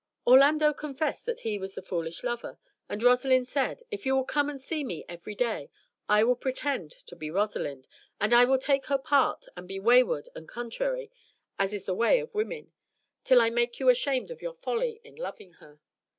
Orlando confessed that he was the foolish lover, and Rosalind said "If you will come and see me every day, I will pretend to be Rosalind, and I will take her part, and be wayward and contrary, as is the way of women, till I make you ashamed of your folly in loving her."